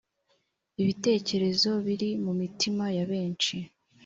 ibitekerezo biri mu mitima ya benshi.